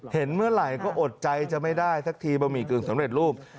เห็นเมื่อไหร่ก็อดใจจะไม่ได้สักทีบะหมี่กึ่งสำเร็จรูป